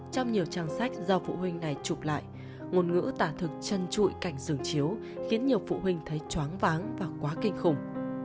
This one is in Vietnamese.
trong nhiều trang sách do phụ huynh này chụp lại ngôn ngữ tả thực chân trụi cảnh dường chiếu khiến nhiều phụ huynh thấy choáng váng và quá kinh khủng